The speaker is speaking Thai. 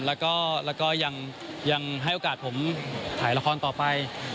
แล้วก็ยังให้โอกาสผมถ่ายละครต่อไป